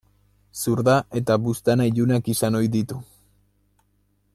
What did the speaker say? Zurda eta buztana ilunak izan ohi ditu.